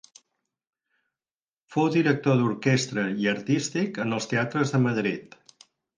Fou director d'orquestra i artístic en els teatres de Madrid.